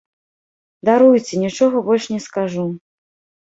Даруйце, нічога больш не скажу.